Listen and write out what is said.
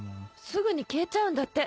すぐに消えちゃうんだって。